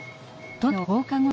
都内の放課後等